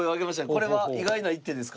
これは意外な一手ですか？